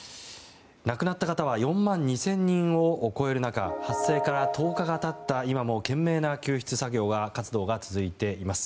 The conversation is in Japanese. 亡くなった方が４万２０００人を超える中発生から１０日が経った今も懸命な救出活動が続いています。